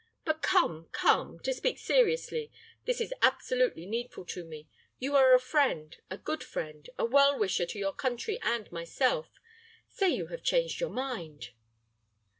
But come, come; to speak seriously, this is absolutely needful to me you are a friend a good friend a well wisher to your country and myself. Say you have changed your mind."